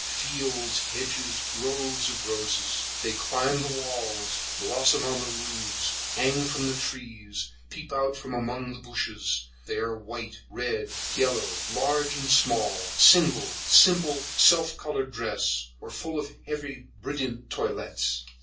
fields, hedges, groves of roses. They climb up the walls, blossom on the roofs, hang from the trees, peep out from among the bushes; they are white, red, yellow, large and small, single, with a simple self colored dress, or full and heavy in brilliant toilettes.